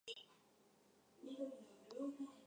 じっと、もひとりの紳士の、顔つきを見ながら言いました